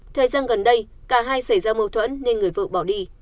thời gian gần đây cả hai xảy ra mâu thuẫn nên người vợ bỏ đi